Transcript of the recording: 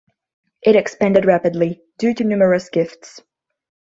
It expanded rapidly, due to numerous gifts.